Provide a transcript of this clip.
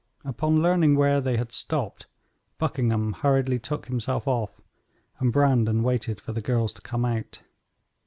Upon learning where they had stopped, Buckingham hurriedly took himself off, and Brandon waited for the girls to come out.